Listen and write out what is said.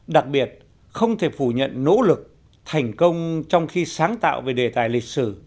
đặc biệt không thể phủ nhận nỗ lực thành công trong khi sáng tạo về đề tài lịch sử